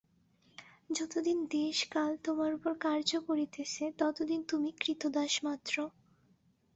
যতদিন দেশ-কাল তোমার উপর কার্য করিতেছে, ততদিন তুমি ক্রীতদাসমাত্র।